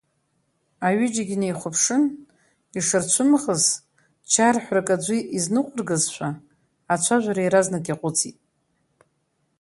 Аҩыџьагьы неихәаԥшын, ишырцәымӷыз, чарҳәарак аӡәы изныҟәыргазшәа, ацәажәара иаразнак иаҟәҵит.